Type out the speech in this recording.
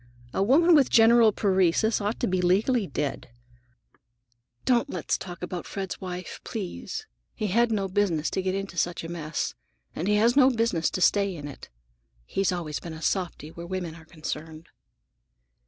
A woman with general paresis ought to be legally dead." "Don't let us talk about Fred's wife, please. He had no business to get into such a mess, and he had no business to stay in it. He's always been a softy where women were concerned."